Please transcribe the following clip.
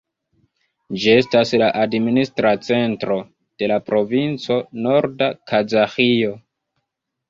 Ĝi estas la administra centro de la provinco Norda Kazaĥio.